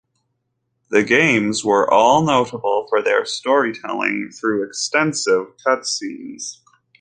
The games were all notable for their storytelling through extensive cutscenes.